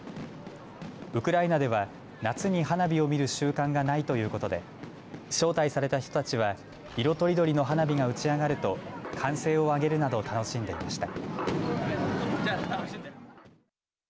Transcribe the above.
ウクライナでは夏に花火を見る習慣がないということで招待された人たちは色とりどりの花火が打ち上がると歓声を上げるなど楽しんでいました。